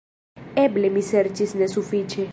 Eble mi serĉis nesufiĉe.